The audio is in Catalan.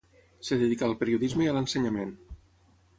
Es dedicà al periodisme i a l’ensenyament.